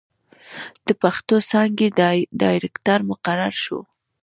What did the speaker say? َد پښتو څانګې ډائرکټر مقرر شو